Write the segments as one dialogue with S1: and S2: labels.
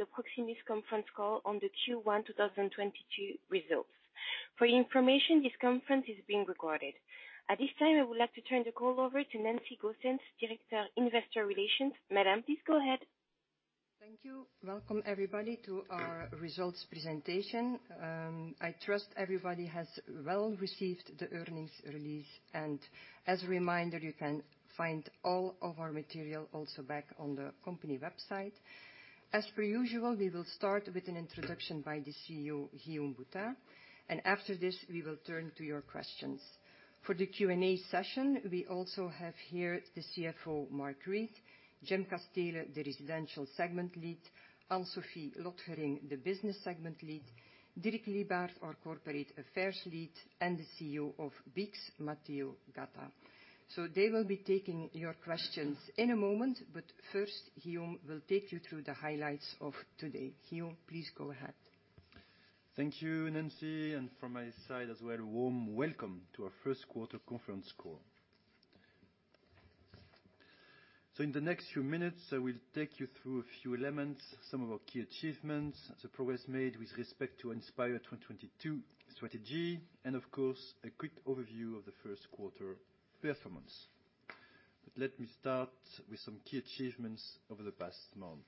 S1: The Proximus conference call on the Q1 2022 results. For your information, this conference is being recorded. At this time, I would like to turn the call over to Nancy Goossens, Director, Investor Relations. Madam, please go ahead.
S2: Thank you. Welcome everybody to our results presentation. I trust everybody has well received the earnings release, and as a reminder, you can find all of our material also back on the company website. As per usual, we will start with an introduction by the CEO, Guillaume Boutin, and after this, we will turn to your questions. For the Q&A session, we also have here the CFO, Mark Reid, Jim Casteele, the Residential Segment Lead, Anne-Sophie Lotgering, the Business Segment Lead, Dirk Lybaert, our Corporate Affairs Lead, and the CEO of BICS, Matteo Gatta. They will be taking your questions in a moment, but first, Guillaume will take you through the highlights of today. Guillaume, please go ahead.
S3: Thank you, Nancy, and from my side as well, a warm welcome to our first quarter conference call. In the next few minutes, I will take you through a few elements, some of our key achievements, the progress made with respect to Inspire 2022 strategy, and of course, a quick overview of the first quarter performance. Let me start with some key achievements over the past month.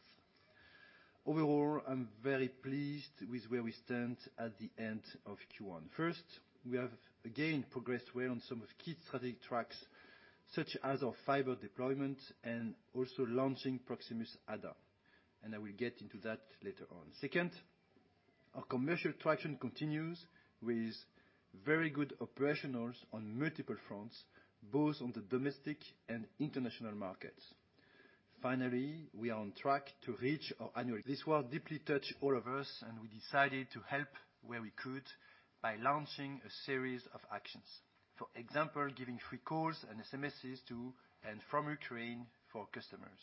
S3: Overall, I'm very pleased with where we stand at the end of Q1. First, we have again progressed well on some of key strategic tracks, such as our fiber deployment and also launching Proximus Ada, and I will get into that later on. Second, our commercial traction continues with very good operationals on multiple fronts, both on the domestic and international markets. This war deeply touched all of us, and we decided to help where we could by launching a series of actions. For example, giving free calls and SMSs to and from Ukraine for customers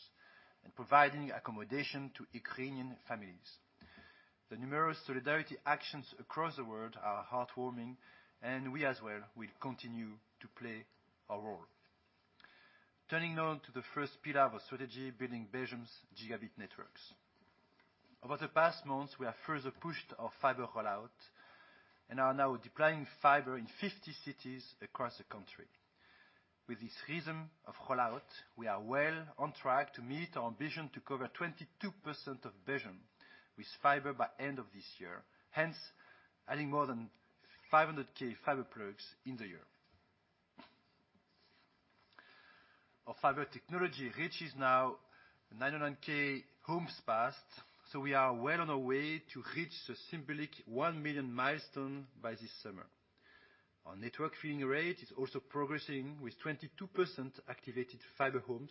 S3: and providing accommodation to Ukrainian families. The numerous solidarity actions across the world are heartwarming, and we as well will continue to play a role. Turning now to the first pillar of our strategy, building Belgium's gigabit networks. Over the past months, we have further pushed our fiber rollout and are now deploying fiber in 50 cities across the country. With this rhythm of rollout, we are well on track to meet our ambition to cover 22% of Belgium with fiber by end of this year, hence adding more than 500,000 fiber plugs in the year. Our fiber technology reaches now 900,000 homes passed, so we are well on our way to reach the symbolic 1 million milestone by this summer. Our network filling rate is also progressing with 22% activated fiber homes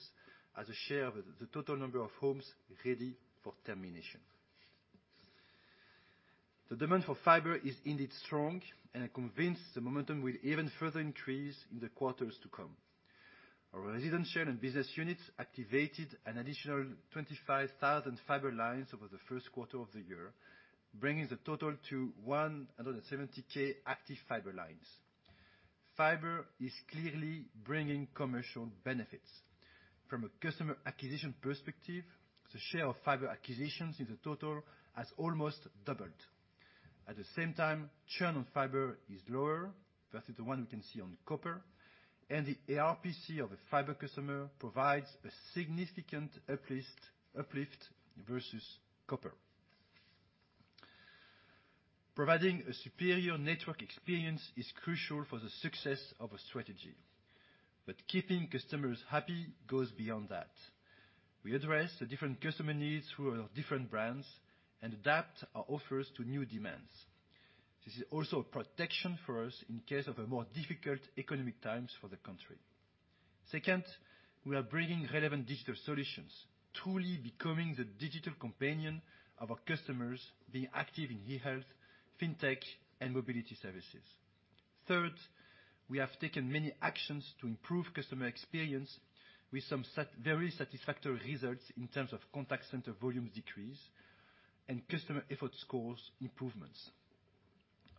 S3: as a share of the total number of homes ready for termination. The demand for fiber is indeed strong, and I'm convinced the momentum will even further increase in the quarters to come. Our residential and business units activated an additional 25,000 fiber lines over the first quarter of the year, bringing the total to 170,000 active fiber lines. Fiber is clearly bringing commercial benefits. From a customer acquisition perspective, the share of fiber acquisitions in the total has almost doubled. At the same time, churn on fiber is lower versus the one we can see on copper, and the ARPC of a fiber customer provides a significant uplift versus copper. Providing a superior network experience is crucial for the success of a strategy, but keeping customers happy goes beyond that. We address the different customer needs through our different brands and adapt our offers to new demands. This is also a protection for us in case of a more difficult economic times for the country. Second, we are bringing relevant digital solutions, truly becoming the digital companion of our customers, being active in e-health, fintech, and mobility services. Third, we have taken many actions to improve customer experience with some very satisfactory results in terms of contact center volumes decrease and customer effort scores improvements.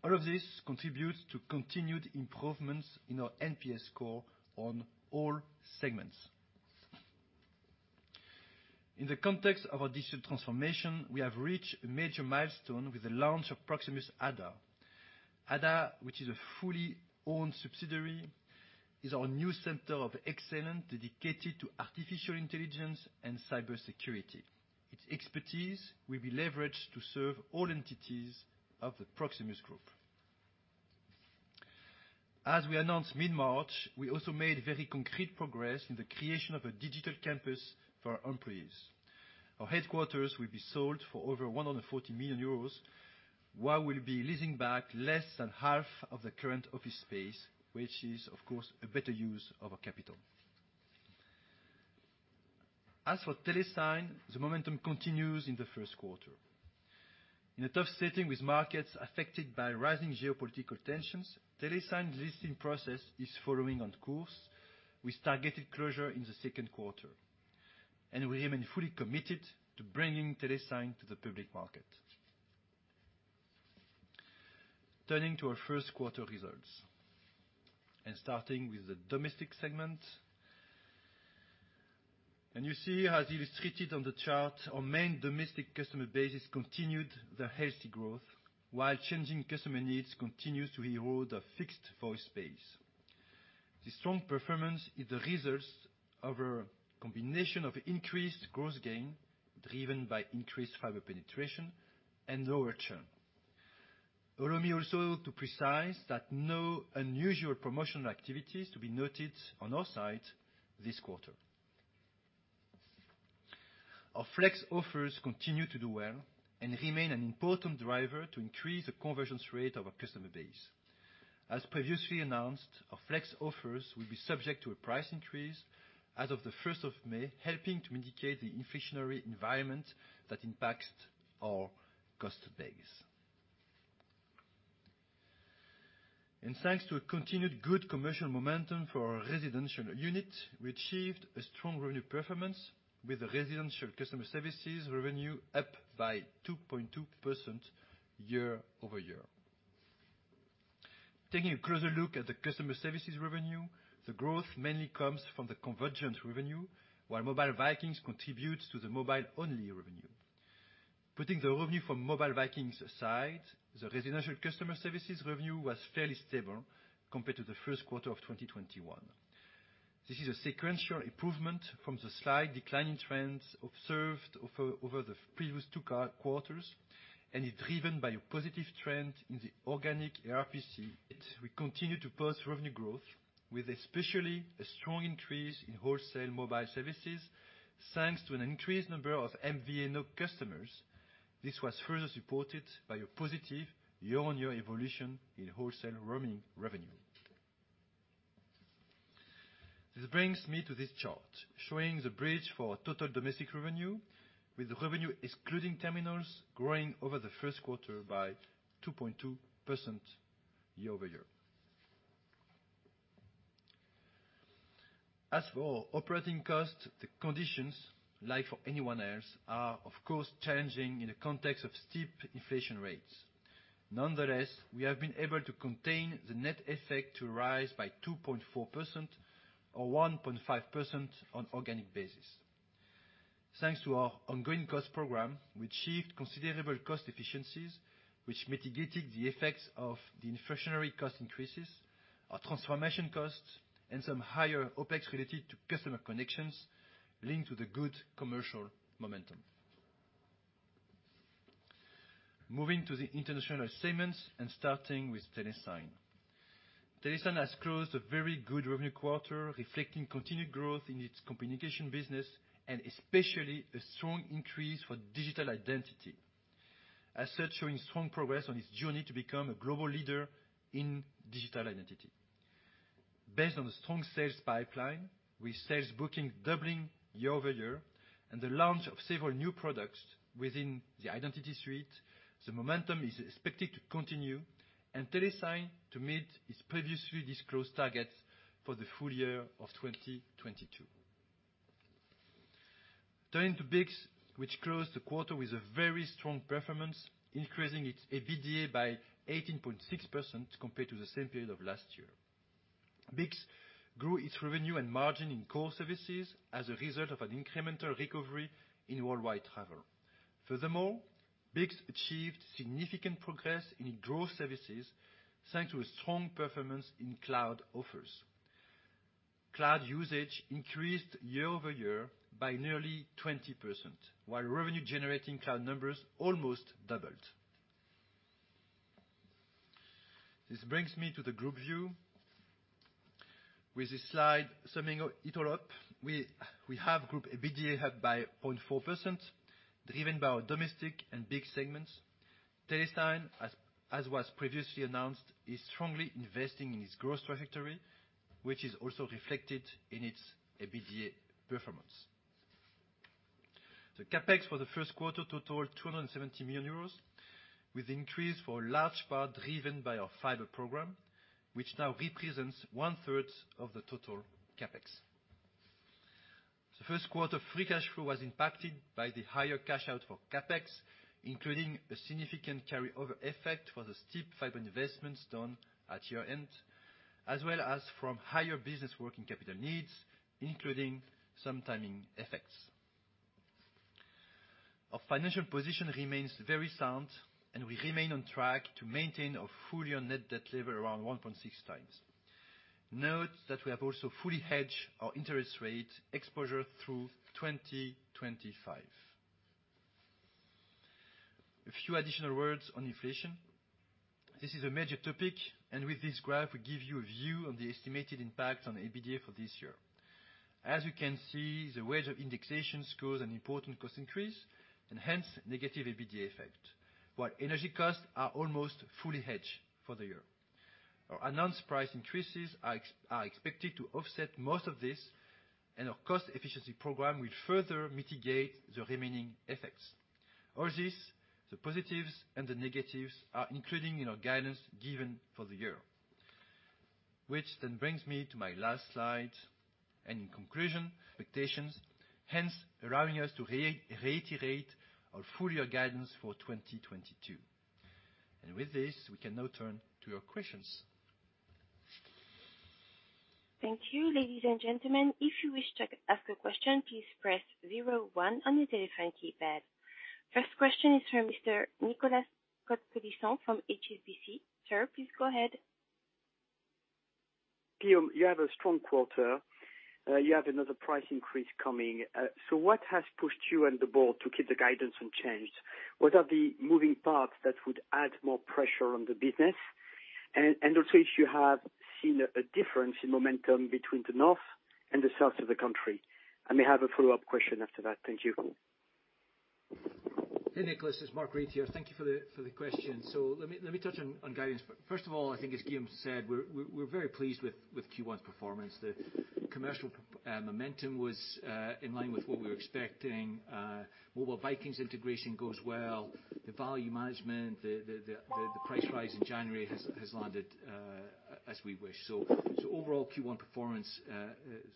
S3: All of this contributes to continued improvements in our NPS score on all segments. In the context of our digital transformation, we have reached a major milestone with the launch of Proximus Ada. Ada, which is a fully owned subsidiary, is our new center of excellence dedicated to artificial intelligence and cybersecurity. Its expertise will be leveraged to serve all entities of the Proximus group. As we announced mid-March, we also made very concrete progress in the creation of a digital campus for our employees. Our headquarters will be sold for over 140 million euros, while we'll be leasing back less than half of the current office space, which is, of course, a better use of our capital. As for TeleSign, the momentum continues in the first quarter. In a tough setting with markets affected by rising geopolitical tensions, TeleSign's listing process is following on course with targeted closure in the second quarter, and we remain fully committed to bringing TeleSign to the public market. Turning to our first quarter results, and starting with the domestic segment. You see, as illustrated on the chart, our main domestic customer base has continued their healthy growth, while changing customer needs continues to erode a fixed voice base. The strong performance is the results of a combination of increased growth gain driven by increased fiber penetration and lower churn. Allow me also to specify that no unusual promotional activities to be noted on our side this quarter. Our Flex offers continue to do well and remain an important driver to increase the conversion rate of our customer base. As previously announced, our Flex offers will be subject to a price increase as of the first of May, helping to mitigate the inflationary environment that impacts our cost base. Thanks to a continued good commercial momentum for our residential unit, we achieved a strong revenue performance with the residential customer services revenue up by 2.2% year-over-year. Taking a closer look at the customer services revenue, the growth mainly comes from the convergence revenue, while Mobile Vikings contributes to the mobile-only revenue. Putting the revenue from Mobile Vikings aside, the residential customer services revenue was fairly stable compared to the first quarter of 2021. This is a sequential improvement from the slight decline in trends observed over the previous two quarters and is driven by a positive trend in the organic ARPC. We continue to post revenue growth with especially a strong increase in wholesale mobile services, thanks to an increased number of MVNO customers. This was further supported by a positive year-on-year evolution in wholesale roaming revenue. This brings me to this chart showing the bridge for our total domestic revenue, with revenue excluding terminals growing over the first quarter by 2.2% year-over-year. As for our operating costs, the conditions, like for anyone else, are of course changing in the context of steep inflation rates. Nonetheless, we have been able to contain the net effect to rise by 2.4% or 1.5% on organic basis. Thanks to our ongoing cost program, we achieved considerable cost efficiencies, which mitigated the effects of the inflationary cost increases, our transformation costs, and some higher OpEx related to customer connections linked to the good commercial momentum. Moving to the international segments and starting with TeleSign. TeleSign has closed a very good revenue quarter, reflecting continued growth in its communication business and especially a strong increase for digital identity. As such, showing strong progress on its journey to become a global leader in digital identity. Based on a strong sales pipeline, with sales bookings doubling year-over-year and the launch of several new products within the identity suite, the momentum is expected to continue and TeleSign to meet its previously disclosed targets for the full year of 2022. Turning to BICS, which closed the quarter with a very strong performance, increasing its EBITDA by 18.6% compared to the same period of last year. BICS grew its revenue and margin in core services as a result of an incremental recovery in worldwide travel. Furthermore, BICS achieved significant progress in growth services thanks to a strong performance in cloud offers. Cloud usage increased year-over-year by nearly 20%, while revenue-generating cloud numbers almost doubled. This brings me to the group view. With this slide summing it all up, we have group EBITDA up by 0.4%, driven by our domestic and BICS segments. Telesign, as was previously announced, is strongly investing in its growth trajectory, which is also reflected in its EBITDA performance. The CapEx for the first quarter totaled 270 million euros, with increase for large part driven by our fiber program, which now represents one-third of the total CapEx. The first quarter free cash flow was impacted by the higher cash out for CapEx, including a significant carryover effect for the steep fiber investments done at year-end, as well as from higher business working capital needs, including some timing effects. Our financial position remains very sound, and we remain on track to maintain our full year net debt level around 1.6x. Note that we have also fully hedged our interest rate exposure through 2025. A few additional words on inflation. This is a major topic, and with this graph we give you a view of the estimated impact on EBITDA for this year. As you can see, the wage indexation soars, an important cost increase and hence negative EBITDA effect, while energy costs are almost fully hedged for the year. Our announced price increases are expected to offset most of this, and our cost efficiency program will further mitigate the remaining effects. All this, the positives and the negatives, are included in our guidance given for the year. Which then brings me to my last slide. In conclusion, expectations, hence allowing us to reiterate our full-year guidance for 2022. With this, we can now turn to your questions.
S1: Thank you. Ladies and gentlemen, if you wish to ask a question, please press zero one on your telephone keypad. First question is from Mr. Nicolas Cote-Colisson from HSBC. Sir, please go ahead.
S4: Guillaume, you have a strong quarter. You have another price increase coming. What has pushed you and the board to keep the guidance unchanged? What are the moving parts that would add more pressure on the business? Also if you have seen a difference in momentum between the north and the south of the country. I may have a follow-up question after that. Thank you.
S5: Hey, Nicolas, it's Mark Reid here. Thank you for the question. Let me touch on guidance. First of all, I think as Guillaume said, we're very pleased with Q1's performance. The commercial momentum was in line with what we were expecting. Mobile Vikings integration goes well. The volume management, the price rise in January has landed as we wish. Overall Q1 performance is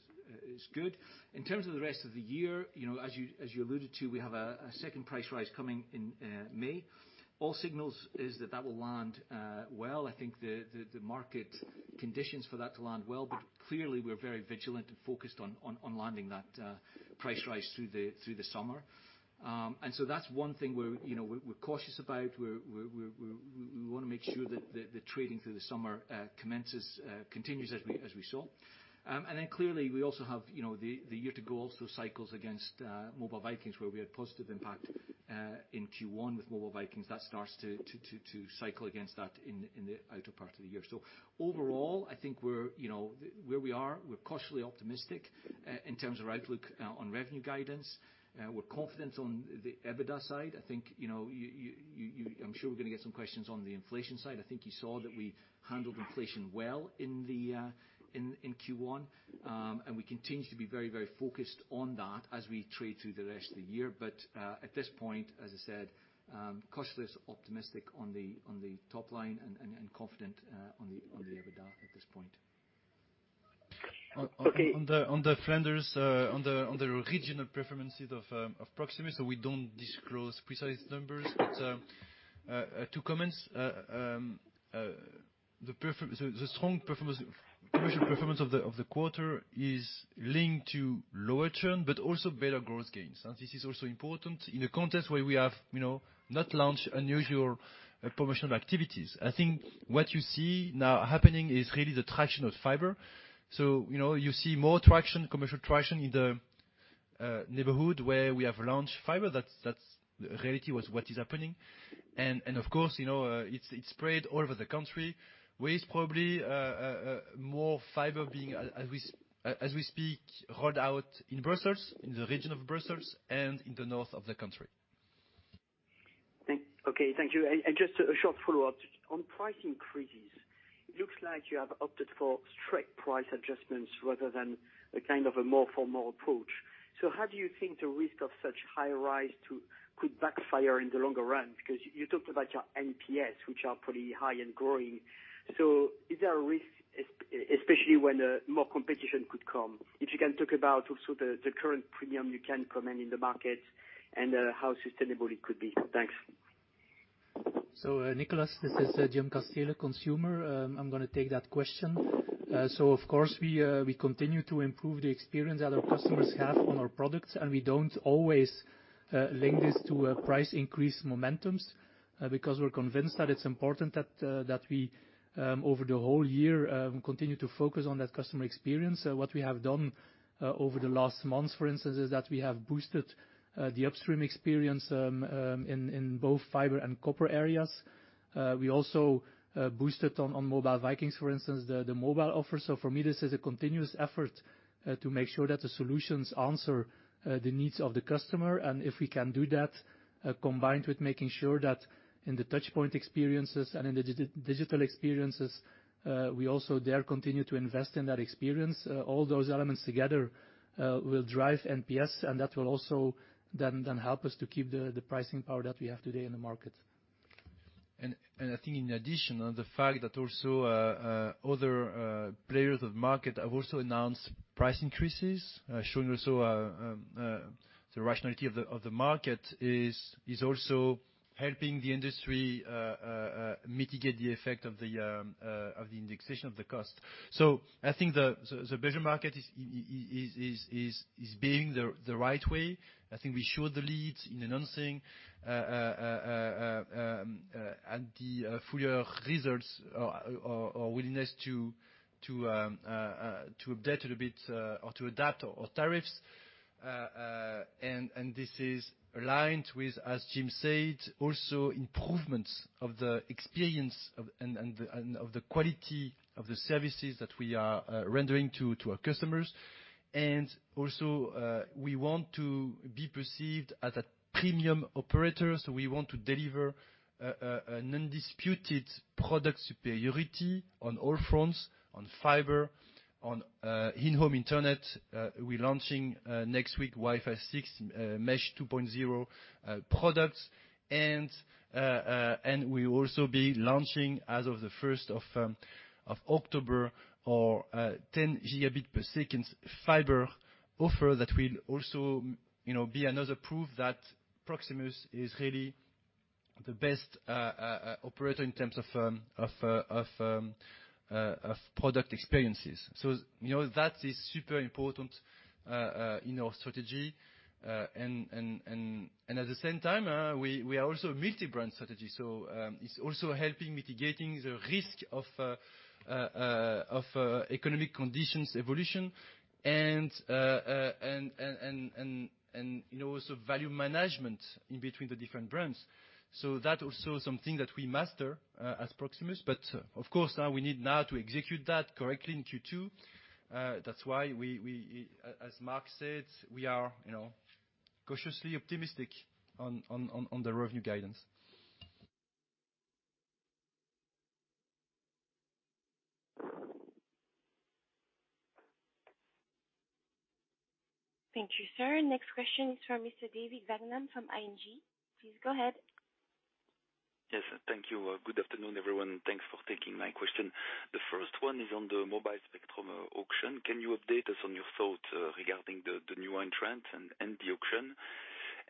S5: good. In terms of the rest of the year, as you alluded to, we have a second price rise coming in May. All signals is that that will land well. I think the market conditions for that to land well, but clearly we're very vigilant and focused on landing that price rise through the summer. That's one thing we're cautious about. We wanna make sure that the trading through the summer continues as we saw. Then clearly we also have the year to go also cycles against Mobile Vikings, where we had positive impact in Q1 with Mobile Vikings that starts to cycle against that in the latter part of the year. Overall, I think we're where we are, we're cautiously optimistic in terms of outlook on revenue guidance. We're confident on the EBITDA side. I think, I'm sure we're gonna get some questions on the inflation side. I think you saw that we handled inflation well in Q1. We continue to be very focused on that as we trade through the rest of the year. At this point, as I said, cautiously optimistic on the top line and confident on the EBITDA at this point.
S3: On the Flanders regional preferences of Proximus, so we don't disclose precise numbers. Two comments. The strong performance, commercial performance of the quarter is linked to lower churn, but also better growth gains. This is also important in a context where we have not launched unusual promotional activities. I think what you see now happening is really the traction of fiber. You see more traction, commercial traction in the neighborhood where we have launched fiber. That's reality was what is happening. Of course, it's spread all over the country, with probably more fiber being as we speak rolled out in Brussels, in the region of Brussels and in the north of the country.
S4: Okay, thank you. Just a short follow-up. On price increases, it looks like you have opted for strict price adjustments rather than a kind of a more formal approach. How do you think the risk of such high rises too could backfire in the longer run? Because you talked about your NPS, which are pretty high and growing. Is there a risk, especially when more competition could come? If you can talk about also the current premium you can command in the market and how sustainable it could be. Thanks.
S6: Nicolas, this is Jim Casteele, Consumer. I'm gonna take that question. Of course, we continue to improve the experience that our customers have on our products, and we don't always link this to price increase momentums, because we're convinced that it's important that over the whole year continue to focus on that customer experience. What we have done over the last months, for instance, is that we have boosted the upstream experience in both fiber and copper areas. We also boosted on Mobile Vikings, for instance, the mobile offer. For me, this is a continuous effort to make sure that the solutions answer the needs of the customer. If we can do that, combined with making sure that in the touchpoint experiences and in the digital experiences, we also there continue to invest in that experience. All those elements together will drive NPS, and that will also then help us to keep the pricing power that we have today in the market.
S3: I think in addition, on the fact that also other players in the market have also announced price increases, showing also the rationality of the market is also helping the industry mitigate the effect of the indexation of the cost. I think the bigger market is being the right way. I think we showed the lead in announcing and the full year results or willingness to update a little bit or to adapt our tariffs. This is aligned with, as Guillaume said, also improvements of the experience and of the quality of the services that we are rendering to our customers. We want to be perceived as a premium operator. We want to deliver an undisputed product superiority on all fronts, on fiber, on in-home internet. We're launching next week WiFi 6 Mesh 2.0 products. We will also be launching as of the first of October our 10 Gbps fiber offer that will also be another proof that Proximus is really the best operator in terms of product experiences. That is super important in our strategy. At the same time, we are also a multi-brand strategy. It's also helping mitigating the risk of economic conditions evolution and also value management in between the different brands. That also something that we master as Proximus, but of course we need to execute that correctly in Q2. That's why we, as Mark Reid said, we are cautiously optimistic on the revenue guidance.
S1: Thank you, sir. Next question is from Mr. David Vagman from ING. Please go ahead.
S7: Yes, thank you. Good afternoon, everyone, and thanks for taking my question. The first one is on the mobile spectrum auction. Can you update us on your thoughts regarding the new entrants and the auction?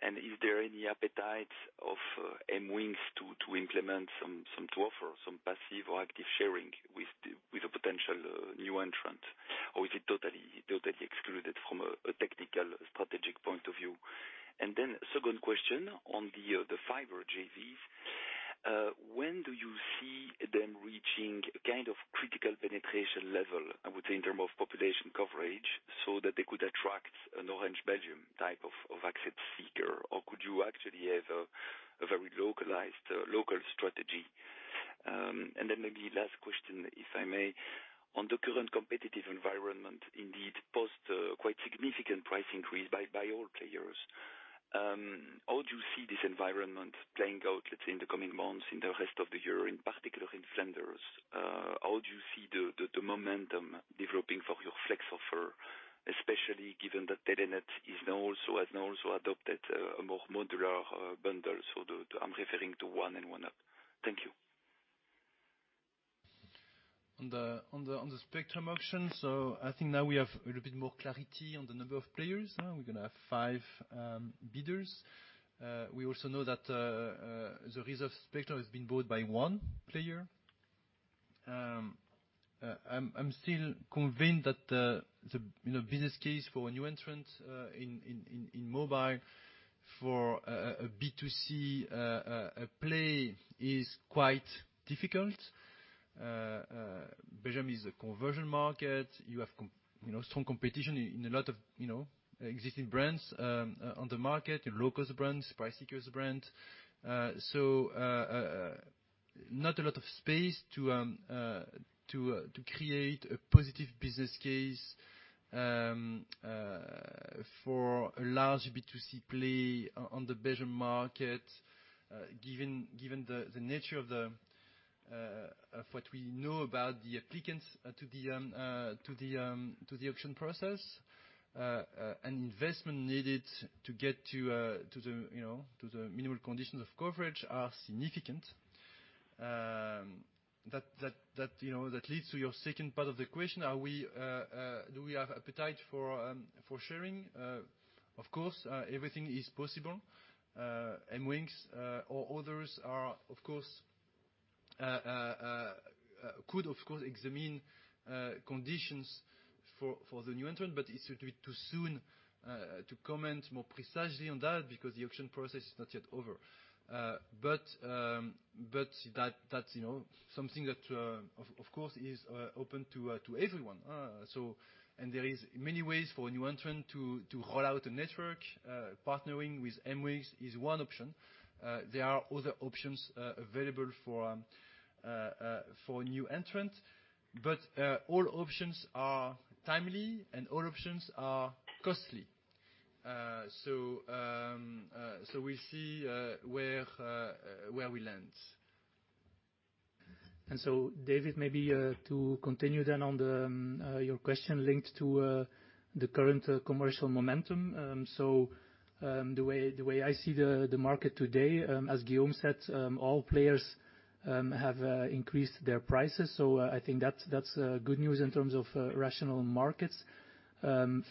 S7: And is there any appetite of MWingz to implement some to offer some passive or active sharing with a potential new entrant? Or is it totally excluded from a technical strategic point of view? Second question on the fiber JVs. When do you see them reaching a kind of critical penetration level, I would say in terms of population coverage, so that they could attract an Orange Belgium type of access seeker? Or could you actually have a very localized local strategy? And then maybe last question, if I may. On the current competitive environment, indeed post quite significant price increase by all players. How do you see this environment playing out, let's say, in the coming months in the rest of the year, in particular in Flanders? How do you see the momentum developing for your Flex offer, especially given that Telenet has now also adopted a more modular bundle? I'm referring to ONE and ONE Up. Thank you.
S3: On the spectrum auction, I think now we have a little bit more clarity on the number of players. We're gonna have five bidders. We also know that the reserve spectrum has been bought by one player. I'm still convinced that the business case for a new entrant in mobile for a B2C play is quite difficult. Belgium is a converged market. You have strong competition in a lot of existing brands on the market, your low-cost brands, price seekers brand. Not a lot of space to create a positive business case for a large B2C play on the Belgium market, given the nature of what we know about the applicants to the auction process. Investment needed to get to the minimal conditions of coverage are significant. That leads to your second part of the question. Do we have appetite for sharing? Of course, everything is possible. MWingz or others are of course would of course examine conditions for the new entrant, but it's too soon to comment more precisely on that because the auction process is not yet over. That's something that of course is open to everyone. There are many ways for a new entrant to roll out a network. Partnering with MWingz is one option. There are other options available for a new entrant. All options are time-consuming, and all options are costly. We see where we land.
S6: David, maybe to continue then on your question linked to the current commercial momentum. The way I see the market today, as Guillaume said, all players have increased their prices. I think that's good news in terms of rational markets.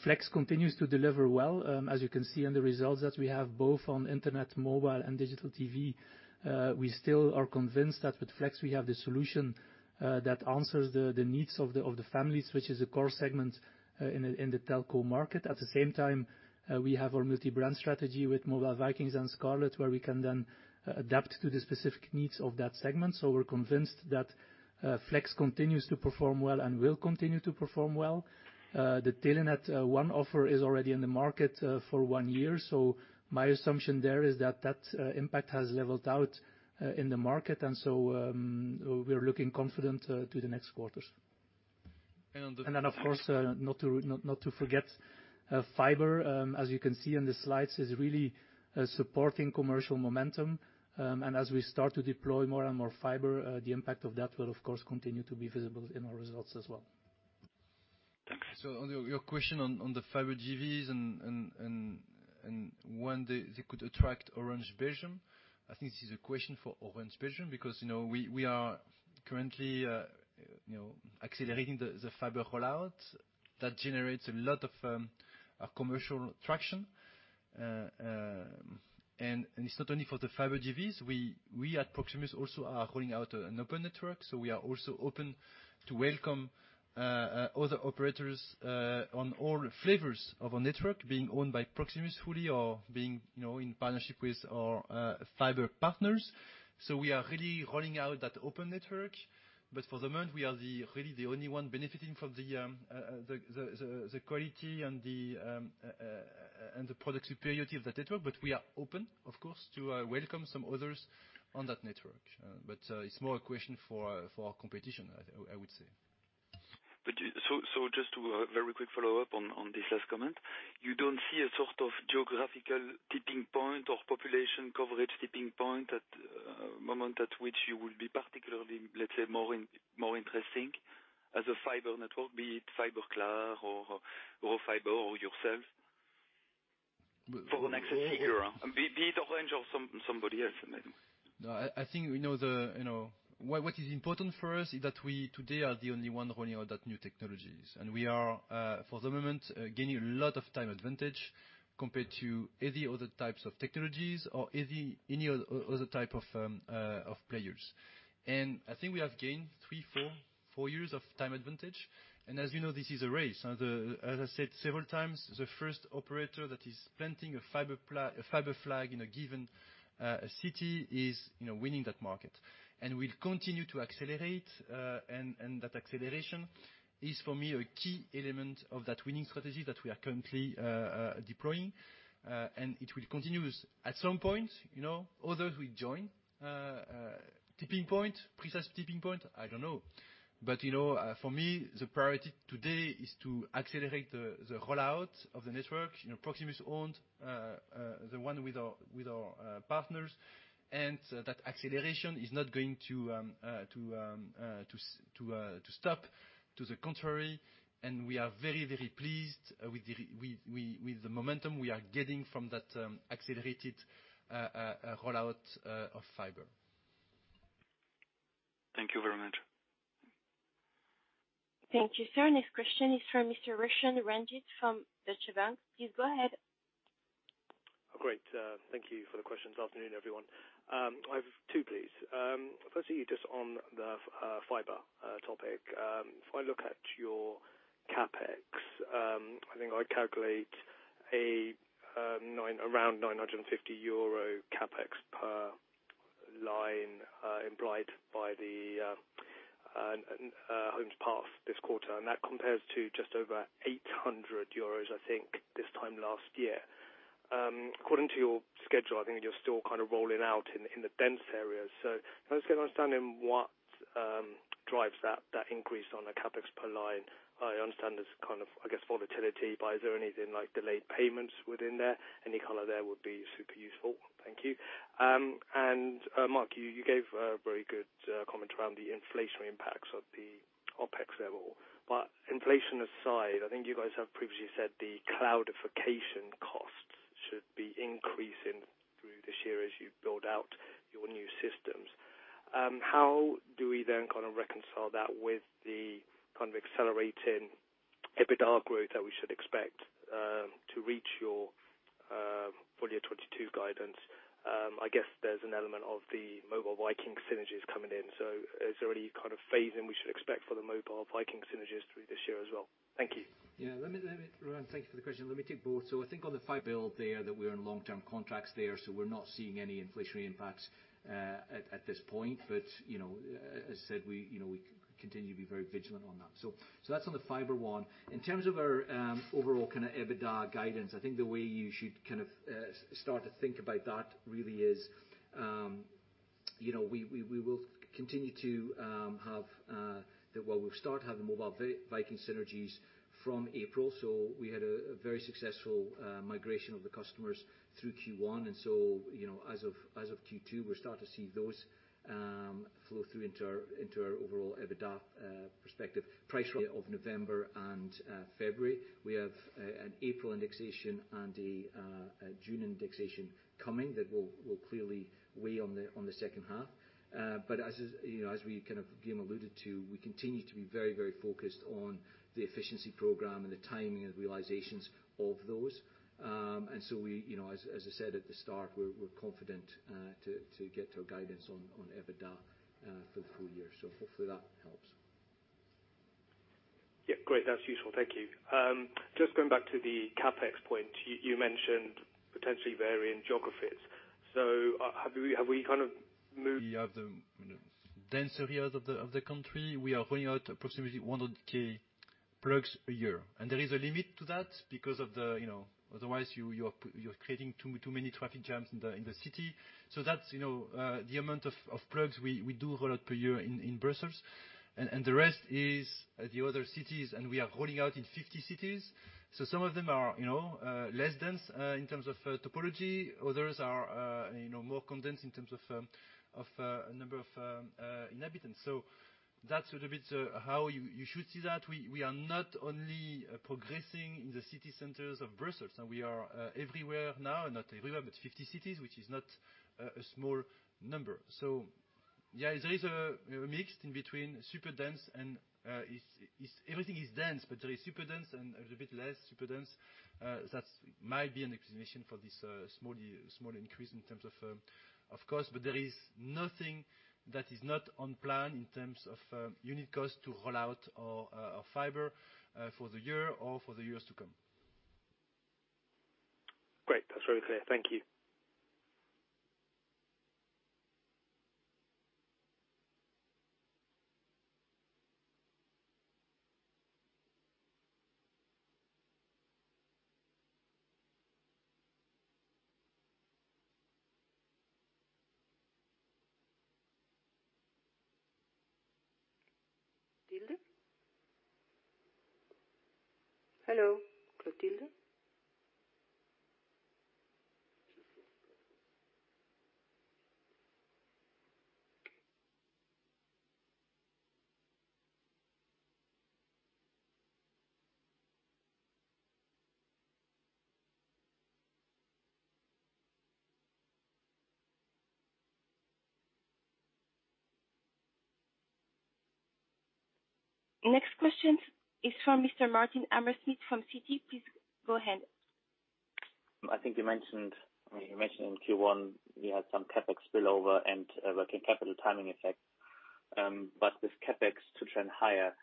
S6: Flex continues to deliver well, as you can see in the results that we have both on internet, mobile, and digital TV. We still are convinced that with Flex we have the solution that answers the needs of the families, which is a core segment in the telco market. At the same time, we have our multi-brand strategy with Mobile Vikings and Scarlet, where we can then adapt to the specific needs of that segment. We're convinced that Flex continues to perform well and will continue to perform well. The Telenet ONE offer is already in the market for one year, so my assumption there is that impact has leveled out in the market. We're looking confident to the next quarters. And on then of course, not to forget fiber, as you can see in the slides, is really supporting commercial momentum. As we start to deploy more and more fiber, the impact of that will of course continue to be visible in our results as well.
S7: Thanks.
S3: On your question on the fiber JVs and when they could attract Orange Belgium, I think this is a question for Orange Belgium because we are currently accelerating the fiber rollout. That generates a lot of commercial traction. It's not only for the fiber JVs. We, at Proximus also are rolling out an open network. We are also open to welcome other operators on all flavors of our network being owned by Proximus fully or being in partnership with our fiber partners. We are really rolling out that open network. For the moment, we are really the only one benefiting from the quality and the product superiority of that network. We are open, of course, to welcome some others on that network. It's more a question for our competition, I would say.
S7: Just a very quick follow-up on this last comment. You don't see a sort of geographical tipping point or population coverage tipping point at a moment at which you will be particularly, let's say, more interesting as a fiber network, be it Fiberklaar or Unifiber for the near future? Be it Orange or somebody else, I mean.
S3: No, I think we know. What is important for us is that we today are the only one rolling out new technologies. We are, for the moment, gaining a lot of time advantage compared to any other types of technologies or any other type of players. I think we have gained three or four years of time advantage. As this is a race. As I said several times, the first operator that is planting a fiber flag in a given city is winning that market. We'll continue to accelerate, and that acceleration is, for me, a key element of that winning strategy that we are currently deploying. It will continue. At some point others will join. Precise tipping point, I don't know. For me, the priority today is to accelerate the rollout of the network Proximus owned, the one with our partners. That acceleration is not going to stop. To the contrary. We are very pleased with the momentum we are getting from that accelerated rollout of fiber.
S7: Thank you very much.
S1: Thank you, sir. Next question is from Mr. Roshan Ranjit from Deutsche Bank. Please go ahead.
S8: Thank you for the questions. Afternoon, everyone. I have two, please. Firstly, just on the fiber topic. If I look at your CapEx, I think I calculate around 950 euro CapEx per line, implied by the homes passed this quarter. That compares to just over 800 euros, I think, this time last year. According to your schedule, I think you're still kind of rolling out in the dense areas. So can I just get an understanding what drives that increase on a CapEx per line? I understand there's kind of, I guess, volatility, but is there anything like delayed payments within there? Any color there would be super useful. Thank you. Mark, you gave a very good comment around the inflationary impacts of the OpEx level. Inflation aside, I think you guys have previously said the cloudification costs should be increasing through this year as you build out your new systems. How do we then kinda reconcile that with the kind of accelerating EBITDA growth that we should expect to reach your full-year 2022 guidance? I guess there's an element of the Mobile Vikings synergies coming in. Is there any kind of phasing we should expect for the Mobile Vikings synergies through this year as well? Thank you.
S5: Yeah. Let me, Roshan, thank you for the question. Let me take both. I think on the fiber build there, that we're in long-term contracts there, so we're not seeing any inflationary impacts at this point. As I said we continue to be very vigilant on that. That's on the fiber one. In terms of our overall kind of EBITDA guidance, I think the way you should kind of start to think about that really is we will continue to have, well, we'll start to have the Mobile Vikings synergies from April. We had a very successful migration of the customers through Q1. As of Q2, we'll start to see those flow through into our overall EBITDA perspective. As of November and February, we have an April indexation and a June indexation coming that will clearly weigh on the second half. But as we kind of again alluded to, we continue to be very focused on the efficiency program and the timing and realizations of those. As I said at the start, we're confident to get to our guidance on EBITDA for the full year. Hopefully that helps.
S8: Yeah. Great. That's useful. Thank you. Just going back to the CapEx point, you mentioned potentially varying geographies. Have we kind of moved-
S3: We have the dense areas of the country. We are rolling out approximately 100,000 plugs a year. There is a limit to that because otherwise you're creating too many traffic jams in the city. That's the amount of plugs we do roll out per year in Brussels. The rest is the other cities, and we are rolling out in 50 cities. Some of them are less dense in terms of topology. Others are more condensed in terms of number of inhabitants. That's a little bit how you should see that. We are not only progressing in the city centers of Brussels. Now we are everywhere now, not everywhere, but 50 cities, which is not a small number. Yeah, there is a mix in between super dense and everything is dense, but there is super dense and a little bit less super dense. That might be an explanation for this small increase in terms of costs. There is nothing that is not on plan in terms of unit cost to roll out our fiber for the year or for the years to come.
S8: Great. That's very clear. Thank you.
S1: Clotilde? Hello, Clotilde? Okay. Next question is from Mr. Martin Hammerschmidt from Citi. Please go ahead.
S9: I think you mentioned, I mean, you mentioned in Q1 you had some CapEx spillover and, working capital timing effect. This CapEx to trend higher,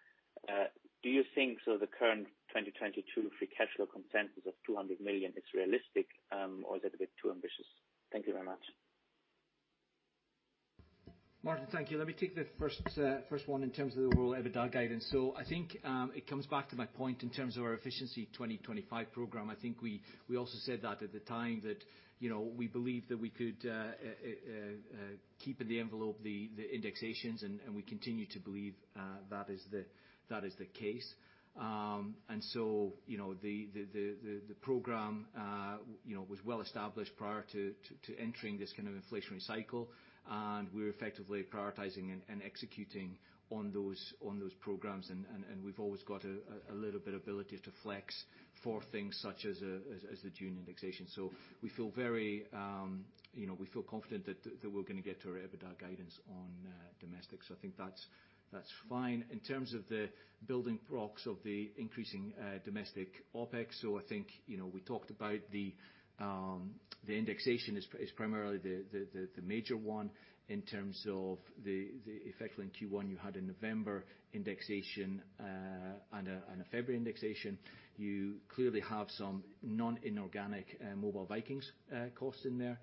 S9: do you think so the current 2022 free cash flow consensus of 200 million is realistic, or is it a bit too ambitious? Thank you very much.
S5: Martin, thank you. Let me take the first one in terms of the raw EBITDA guidance. I think it comes back to my point in terms of our efficiency 2025 program. I think we also said that at the time that we believe that we could keep in the envelope the indexations, and we continue to believe that is the case. The program was well established prior to entering this kind of inflationary cycle. We're effectively prioritizing, and we've always got a little bit ability to flex for things such as the June indexation. We feel very confident that we're gonna get to our EBITDA guidance on domestic. I think that's fine. In terms of the building blocks of the increasing domestic OpEx, I think, we talked about the indexation is primarily the major one in terms of the effect in Q1. You had a November indexation and a February indexation. You clearly have some inorganic Mobile Vikings costs in there.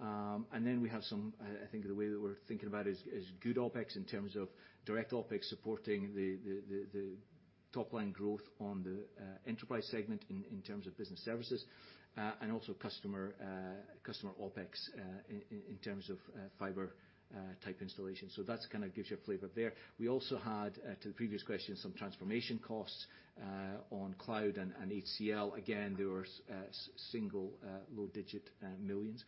S5: I think the way that we're thinking about it is good OpEx in terms of direct OpEx supporting the top line growth on the enterprise segment in terms of business services, and also customer OpEx in terms of fiber type installations. That's kind of gives you a flavor there. We also had to the previous question, some transformation costs on cloud and HCL. Again, there were single low-digit millions.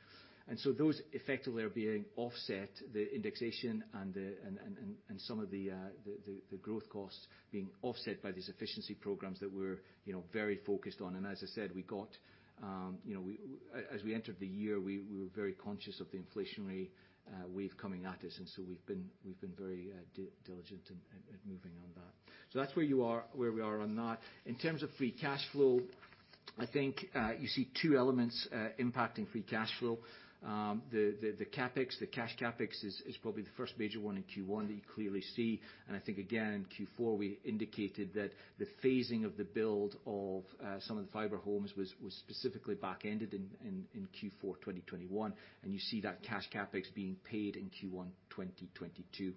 S5: Those effectively are being offset, the indexation and some of the growth costs being offset by these efficiency programs that we're very focused on. As I said, as we entered the year, we were very conscious of the inflationary wave coming at us, and so we've been very diligent in moving on that. That's where we are on that. In terms of free cash flow, I think you see two elements impacting free cash flow. The CapEx, the cash CapEx is probably the first major one in Q1 that you clearly see. I think again, in Q4, we indicated that the phasing of the build of some of the fiber homes was specifically back-ended in Q4 2021. You see that cash CapEx being paid in Q1 2022,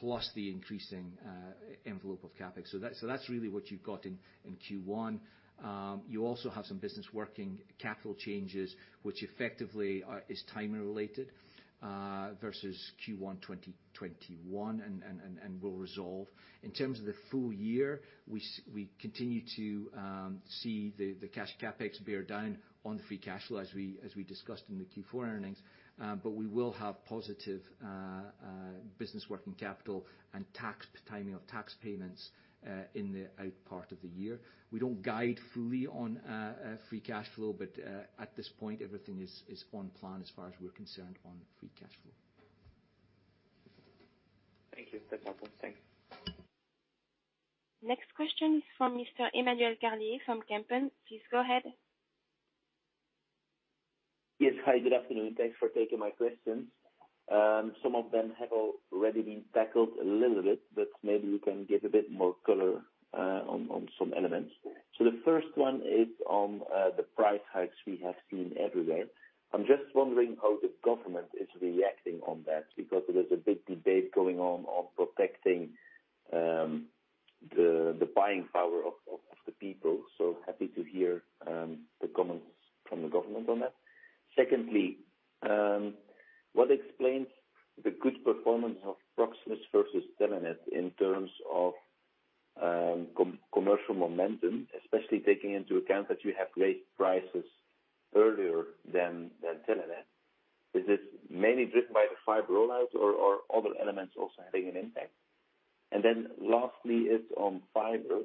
S5: plus the increasing envelope of CapEx. That's really what you've got in Q1. You also have some business working capital changes, which effectively is timing related versus Q1 2021 and will resolve. In terms of the full year, we continue to see the cash CapEx bear down on the free cash flow as we discussed in the Q4 earnings. We will have positive business working capital and tax timing of tax payments in the latter part of the year. We don't guide fully on free cash flow, but at this point, everything is on plan as far as we're concerned on free cash flow.
S9: Thank you. That's helpful. Thanks.
S1: Next question is from Mr. Emmanuel Carlier from Kempen. Please go ahead.
S10: Yes. Hi, good afternoon. Thanks for taking my questions. Some of them have already been tackled a little bit, but maybe you can give a bit more color on some elements. The first one is on the price hikes we have seen everywhere. I'm just wondering how the government is reacting on that, because there's a big debate going on protecting the buying power of the people. Happy to hear the comments from the government on that. Secondly, what explains the good performance of Proximus versus Telenet in terms of commercial momentum, especially taking into account that you have raised prices earlier than Telenet? Is this mainly driven by the fiber roll-outs or other elements also having an impact? Lastly is on fiber.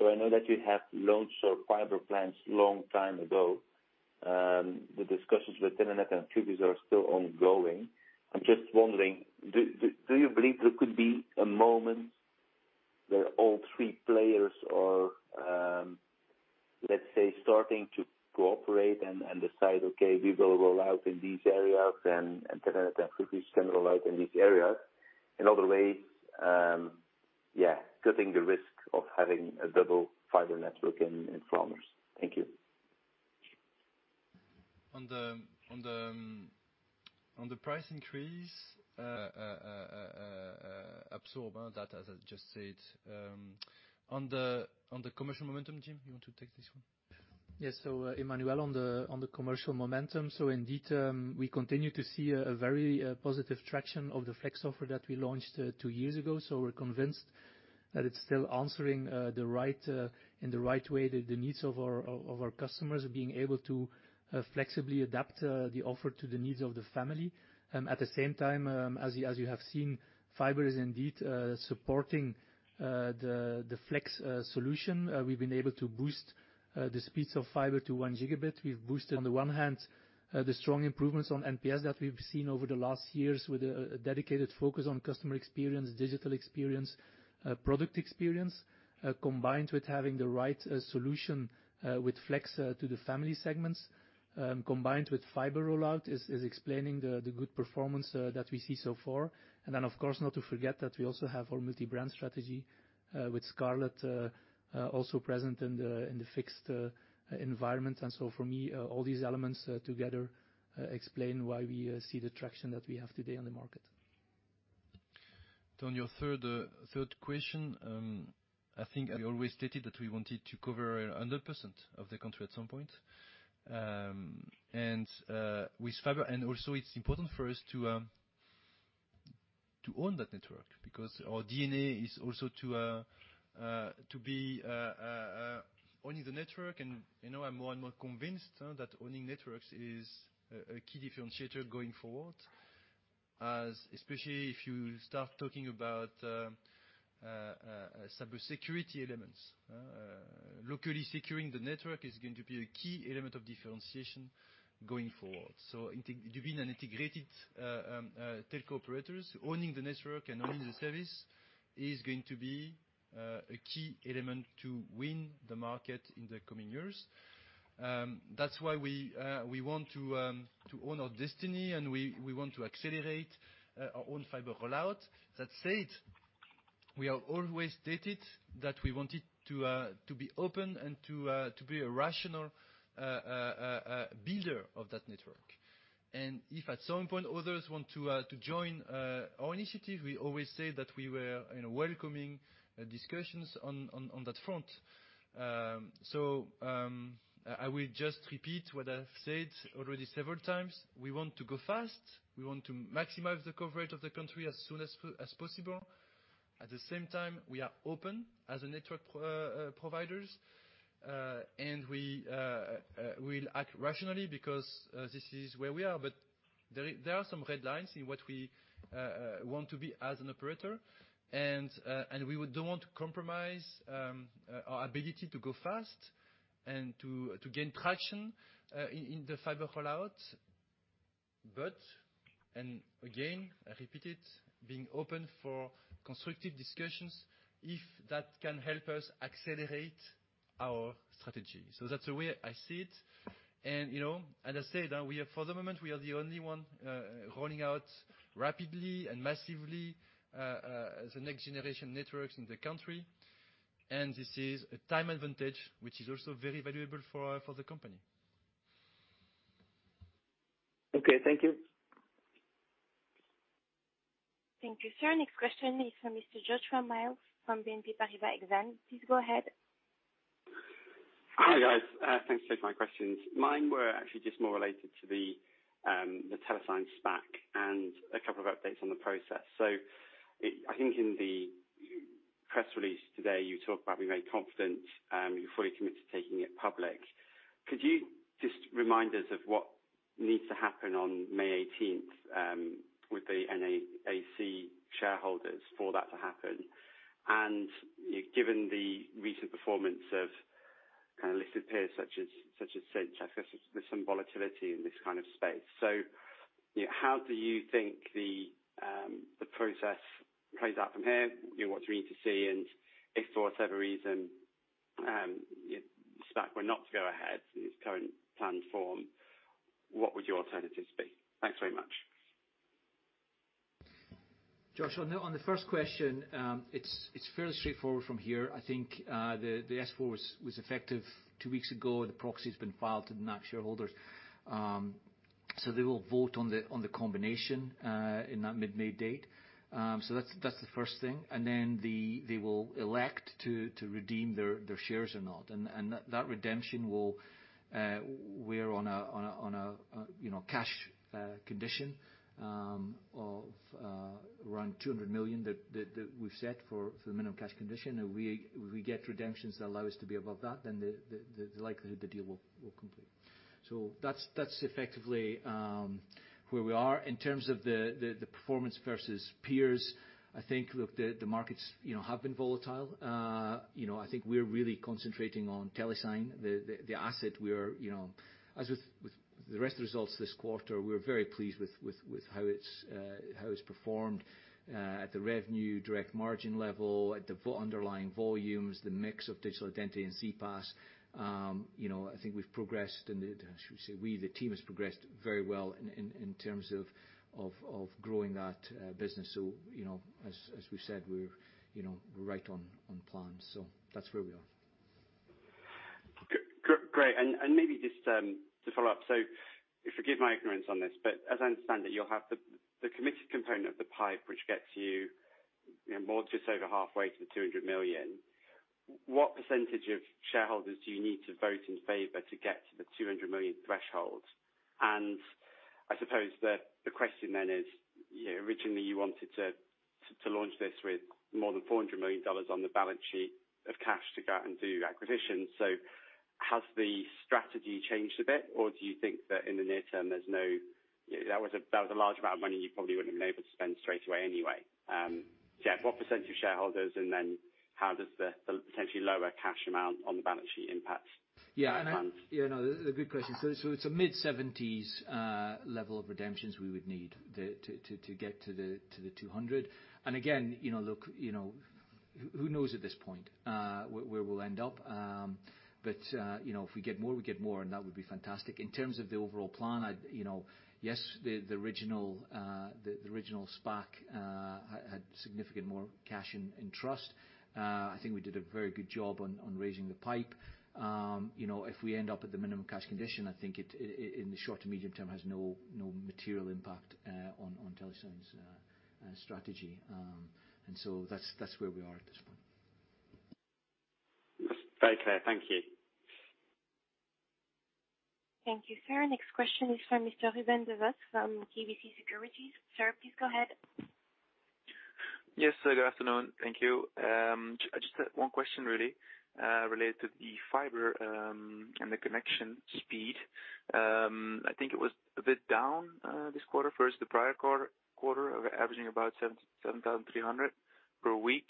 S10: I know that you have launched your fiber plans long time ago. The discussions with Telenet and Proximus are still ongoing. I'm just wondering, do you believe there could be a moment where all three players are, let's say, starting to cooperate and decide, "Okay, we will roll out in these areas, and Telenet and Proximus can roll out in these areas." In other words, cutting the risk of having a double fiber network in Flanders. Thank you.
S3: On the price increase, absorb that, as I just said. On the commercial momentum, Jim, you want to take this one?
S6: Yes, Emmanuel, on the commercial momentum. Indeed, we continue to see a very positive traction of the Flex offer that we launched two years ago. We're convinced that it's still answering the needs of our customers in the right way, being able to flexibly adapt the offer to the needs of the family. At the same time, as you have seen, fiber is indeed supporting the Flex solution. We've been able to boost the speeds of fiber to 1 Gb. We've boosted on the one hand, the strong improvements on NPS that we've seen over the last years with a dedicated focus on customer experience, digital experience, product experience, combined with having the right solution with Flex to the family segments, combined with fiber rollout is explaining the good performance that we see so far. Of course, not to forget that we also have our multi-brand strategy with Scarlet also present in the fixed environment. For me, all these elements together explain why we see the traction that we have today on the market.
S3: On your third question, I think we always stated that we wanted to cover 100% of the country at some point. With fiber. Also it's important for us to own that network because our DNA is also to own the network. I'm more and more convinced that owning networks is a key differentiator going forward, especially if you start talking about cybersecurity elements. Locally securing the network is going to be a key element of differentiation going forward. Between integrated telco operators, owning the network and owning the service is going to be a key element to win the market in the coming years. That's why we want to own our destiny and we want to accelerate our own fiber rollout. That said, we have always stated that we wanted to be open and to be a rational builder of that network. If at some point others want to join our initiative, we always say that we were welcoming discussions on that front. I will just repeat what I've said already several times. We want to go fast. We want to maximize the coverage of the country as soon as possible. At the same time, we are open as a network providers and we will act rationally because this is where we are. There are some red lines in what we want to be as an operator. We don't want to compromise our ability to go fast and to gain traction in the fiber rollout. Again, I repeat it, being open for constructive discussions if that can help us accelerate our strategy. That's the way I see it. As I said, we are for the moment the only one rolling out rapidly and massively as next-generation networks in the country. This is a time advantage, which is also very valuable for the company.
S10: Okay, thank you.
S1: Thank you, sir. Next question is from Mr. Joshua Mills from BNP Paribas Exane. Please go ahead.
S11: Hi, guys. Thanks for taking my questions. Mine were actually just more related to the TeleSign SPAC and a couple of updates on the process. I think in the press release today, you talked about being very confident, you're fully committed to taking it public. Could you just remind us of what needs to happen on May 18th with the NAAC shareholders for that to happen? Given the recent performance of kind of listed peers such as Sinch, I guess there's some volatility in this kind of space. How do you think the process plays out from here? What do we need to see? And if for whatever reason SPAC were not to go ahead in its current planned form, what would your alternatives be? Thanks very much.
S5: Josh, on the first question, it's fairly straightforward from here. I think the S-4 was effective two weeks ago. The proxy has been filed to NAAC shareholders. They will vote on the combination in that mid-May date. That's the first thing. They will elect to redeem their shares or not. That redemption will We're on a cash condition of around $200 million that we've set for the minimum cash condition. We get redemptions that allow us to be above that, then the likelihood the deal will complete. That's effectively where we are. In terms of the performance versus peers, I think, look, the markets have been volatile. I think we're really concentrating on TeleSign. The asset we're as with the rest of the results this quarter, we're very pleased with how it's performed at the revenue direct margin level, at the underlying volumes, the mix of digital identity and CPaaS. I think the team has progressed very well in terms of growing that business. As we've said, we're right on plan. That's where we are.
S11: Great. Maybe just to follow up. Forgive my ignorance on this, but as I understand it, you'll have the committed component of the PIPE, which gets you more just over halfway to the $200 million. What percentage of shareholders do you need to vote in favor to get to the $200 million threshold? I suppose the question then is originally you wanted to launch this with more than $400 million on the balance sheet of cash to go out and do acquisitions. Has the strategy changed a bit, or do you think that in the near term that was a large amount of money you probably wouldn't have been able to spend straight away anyway. Yeah. What percent of shareholders, and then how does the potentially lower cash amount on the balance sheet impact?
S5: Yeah, no, a good question. It's a mid-70s level of redemptions we would need to get to the $200 million. Again look who knows at this point, where we'll end up. If we get more, and that would be fantastic. In terms of the overall plan, yes, the original SPAC had significantly more cash in trust. I think we did a very good job on raising the PIPE. If we end up at the minimum cash condition, I think it in the short to medium term has no material impact on TeleSign's strategy. That's where we are at this point.
S11: That's very clear. Thank you.
S1: Thank you, sir. Next question is from Mr. Ruben Devos from KBC Securities. Sir, please go ahead.
S12: Yes, sir. Good afternoon. Thank you. Just one question really related to the fiber and the connection speed. I think it was a bit down this quarter versus the prior quarter of averaging about 7,300 per week.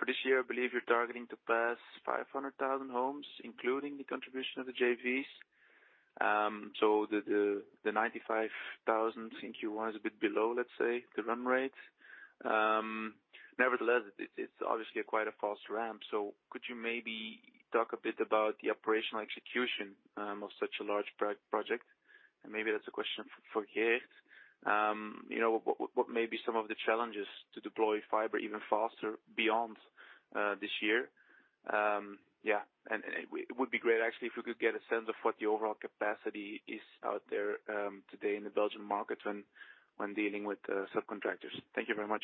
S12: For this year, I believe you're targeting to pass 500,000 homes, including the contribution of the JVs. So the 95,000 in Q1 is a bit below, let's say, the run rate. Nevertheless, it's obviously quite a fast ramp. Could you maybe talk a bit about the operational execution of such a large project? And maybe that's a question for Geert. What may be some of the challenges to deploy fiber even faster beyond this year? Yeah. It would be great actually if we could get a sense of what the overall capacity is out there, today in the Belgian market when dealing with subcontractors. Thank you very much.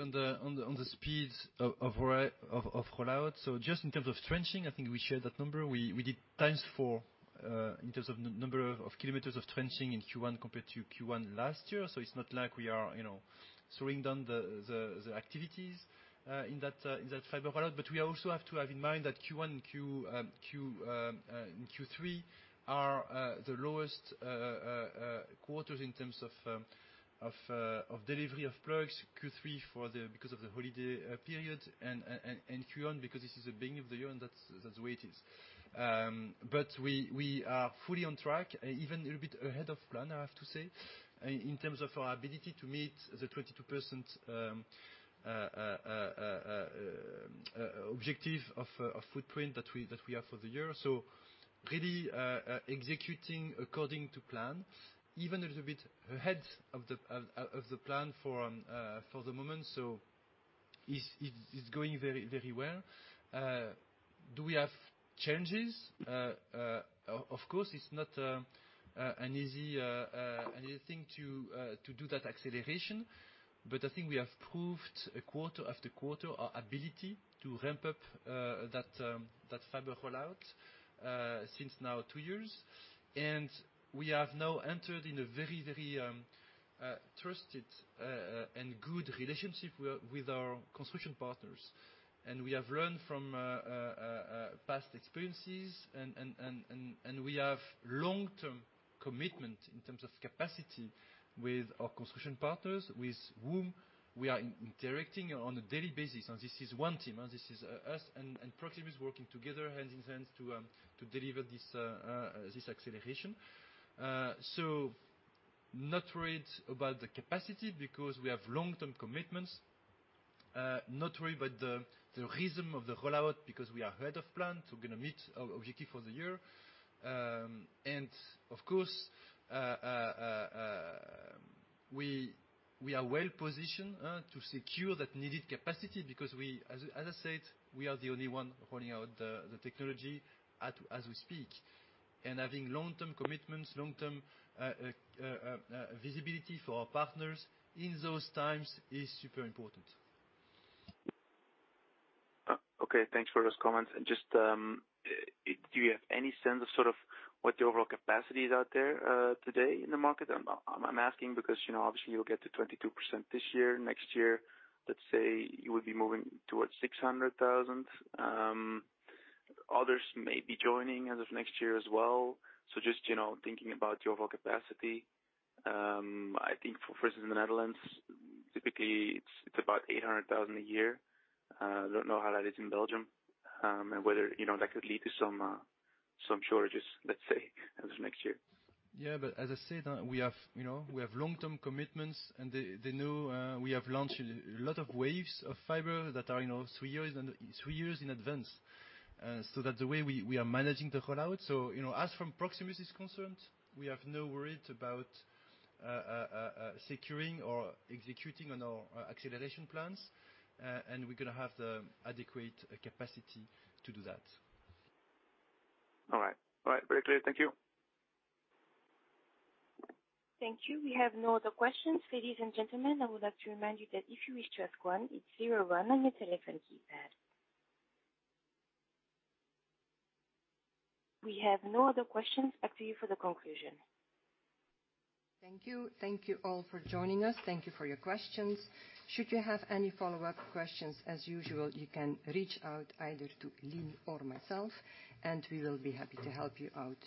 S3: On the speeds of rollout, just in terms of trenching, I think we shared that number. We did 4x the number of kilometers of trenching in Q1 compared to Q1 last year. It's not like we are slowing down the activities in that fiber rollout. We also have to have in mind that Q1 and Q3 are the lowest quarters in terms of delivery of products. Q3 because of the holiday period and Q1 because this is the beginning of the year and that's the way it is. We are fully on track, even a little bit ahead of plan, I have to say, in terms of our ability to meet the 22% objective of footprint that we have for the year. Really, executing according to plan, even a little bit ahead of the plan for the moment. It's going very well. Do we have changes? Of course, it's not an easy thing to do that acceleration. I think we have proved quarter after quarter our ability to ramp up that fiber rollout since now two years. We have now entered in a very trusted and good relationship with our construction partners. We have learned from past experiences and we have long-term commitment in terms of capacity with our construction partners, with whom we are interacting on a daily basis. This is one team. This is us and Proximus working together hand in hand to deliver this acceleration. Not worried about the capacity because we have long-term commitments. Not worried about the rhythm of the rollout because we are ahead of plan, we're gonna meet our objective for the year. Of course, we are well-positioned to secure that needed capacity because, as I said, we are the only one rolling out the technology as we speak. Having long-term commitments, long-term visibility for our partners in those times is super important.
S12: Okay. Thanks for those comments. Just do you have any sense of sort of what the overall capacity is out there today in the market? I'm asking because obviously you'll get to 22% this year. Next year, let's say, you will be moving towards 600,000. Others may be joining as of next year as well. So just thinking about your overall capacity. I think for instance, in the Netherlands, typically it's about 800,000 a year. I don't know how that is in Belgium, and whether that could lead to some shortages, let's say, as of next year.
S3: Yeah. As I said, we have long-term commitments, and they know we have launched a lot of waves of fiber that are three years and three years in advance. That the way we are managing the rollout. As far as Proximus is concerned, we have no worries about securing or executing on our acceleration plans, and we're gonna have the adequate capacity to do that.
S12: All right. Very clear. Thank you.
S1: Thank you. We have no other questions. Ladies and gentlemen, I would like to remind you that if you wish to ask one, it's zero one on your telephone keypad. We have no other questions. Back to you for the conclusion.
S2: Thank you. Thank you all for joining us. Thank you for your questions. Should you have any follow-up questions, as usual, you can reach out either to Eline or myself, and we will be happy to help you out.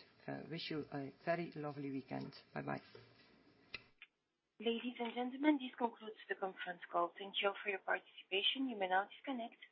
S2: Wish you a very lovely weekend. Bye-bye.
S1: Ladies and gentlemen, this concludes the conference call. Thank you for your participation. You may now disconnect.